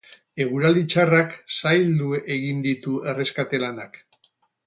Eguraldi txarrak zaildu egin ditu erreskate lanak.